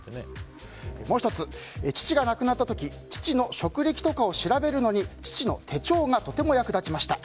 もう１つ、父が亡くなった時父の職歴とかを調べるのに父の手帳が役立ちました。